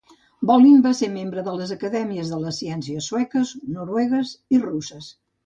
Bolin va ser membre de les Acadèmies de les Ciències sueques, noruegues i russes.